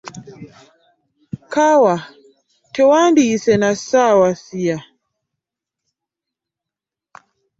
Kaawa tewandiyise na ssaawa siya .